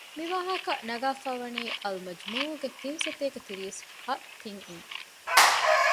މިވާހަކަ ނަގާފައިވަނީ އަލްމަޖްމޫޢުގެ ތިންސަތޭކަ ތިރީސް ހަ ތިން އިން